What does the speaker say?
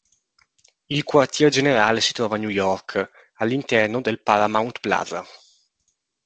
Il quartier generale si trova a New York, all'interno del Paramount Plaza.